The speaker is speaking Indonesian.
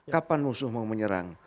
kapan musuh mau menyerang